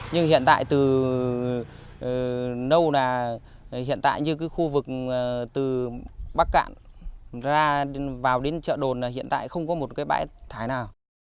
nhưng hiện tại từ nâu là hiện tại như cái khu vực từ bắc cạn ra vào đến chợ đồn là hiện tại không có một cái bãi thải nào